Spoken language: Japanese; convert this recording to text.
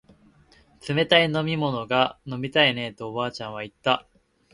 冷たい飲み物が飲みたいねえとおばあちゃんは言った